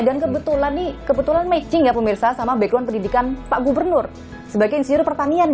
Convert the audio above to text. dan kebetulan matching ya pemirsa sama background pendidikan pak gubernur sebagai insinyur pertanian